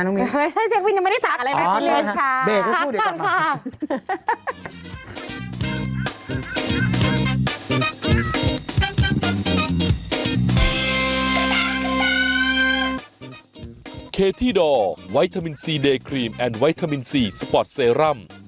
ทำไมไม่ให้เข้ามีผล